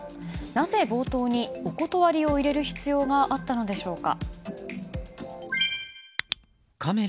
なぜ冒頭にお断りを入れる必要があったのでしょうか。